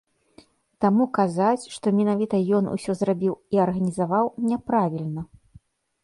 Таму казаць, што менавіта ён усё зрабіў і арганізаваў, няправільна.